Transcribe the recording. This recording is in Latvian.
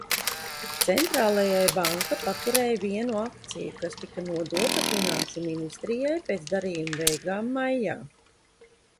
Centrālajai banka paturēja vienu akciju, kas tika nodota Finanšu ministrijai pēc darījuma beigām maijā.